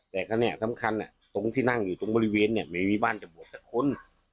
แต่ขณะนี้สำคัญตรงที่นั่งอยู่ตรงบริเวณเนี่ยไม่มีบ้านจะบวกแต่คน